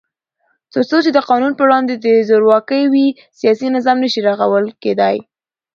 تر څو چې د قانون په وړاندې زورواکي وي، سیاسي نظام نشي رغول کېدای.